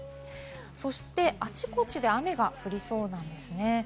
そして、あちこちで雨が降りそうなんですよね。